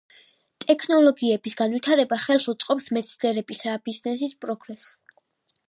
ტექნოლოგიების განვითარება ხელს უწყობს მეცნიერებისა და ბიზნესის პროგრესს.